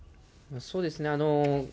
そうですね。